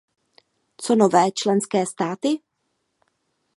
Co nové členské státy?